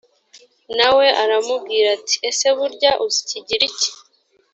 na we aramubwira ati ese burya uzi ikigiriki